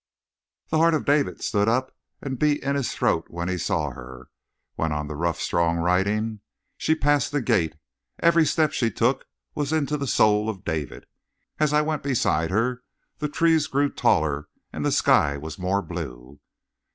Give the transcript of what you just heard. "The heart of David stood up and beat in his throat when he saw her," went on the rough, strong writing. "She passed the gate. Every step she took was into the soul of David. As I went beside her the trees grew taller and the sky was more blue.